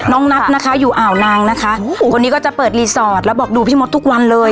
น้องนัทนะคะอยู่อ่าวนางนะคะคนนี้ก็จะเปิดรีสอร์ทแล้วบอกดูพี่มดทุกวันเลย